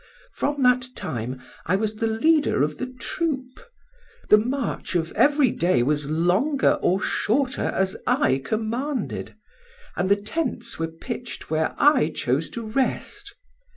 From that time I was the leader of the troop. The march of every day was longer or shorter as I commanded, and the tents were pitched where I chose to rest.